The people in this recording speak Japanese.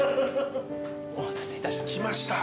お待たせいたしました。来ました。